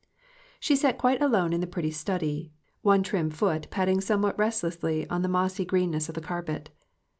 SHE sat quite alone in the pretty study, one trim foot patting somewhat restlessly on the mossy greenness of the carpet.